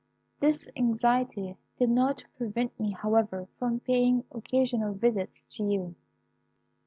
"This anxiety did not prevent me, however, from paying occasional visits to you.